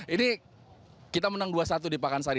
ini kita menang dua satu di pakansari